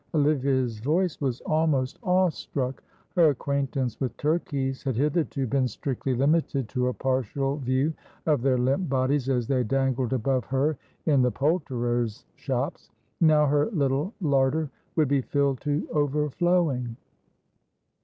Olivia's voice was almost awe struck; her acquaintance with turkeys had hitherto been strictly limited to a partial view of their limp bodies as they dangled above her in the poulterers' shops; now her little larder would be filled to overflowing.